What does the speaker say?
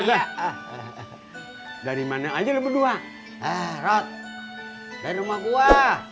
hai dari mana aja berdua ah rot dari rumah gue